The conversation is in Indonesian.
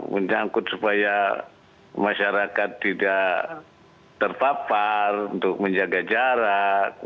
menyangkut supaya masyarakat tidak terpapar untuk menjaga jarak